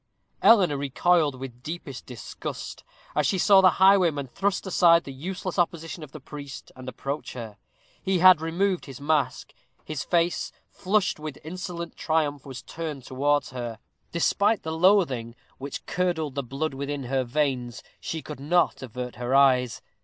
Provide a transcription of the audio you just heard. Eleanor recoiled with deepest disgust, as she saw the highwayman thrust aside the useless opposition of the priest, and approach her. He had removed his mask; his face, flushed with insolent triumph, was turned towards her. Despite the loathing, which curdled the blood within her veins, she could not avert her eyes.